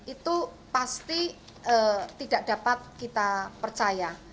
itu pasti tidak dapat kita percaya